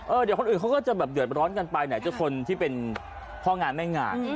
เดี๋ยวคนอื่นเขาก็จะแบบเดือดร้อนกันไปไหนจะคนที่เป็นพ่องานแม่งาน